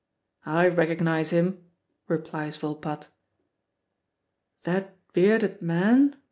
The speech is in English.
"I recognize him," replies Volpatte. "That bearded man?"